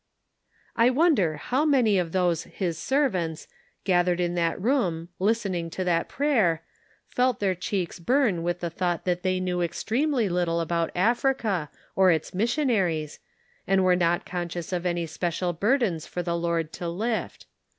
v I wonder how many of " those his servants " gathered in that room, listening to that prayer, felt their cheeks burn with the thought that they knew extremely little about Africa or its missionaries, and were not conscious of any Perfect Love Casteth out Fear. 195 special burdens for the Lord to lift.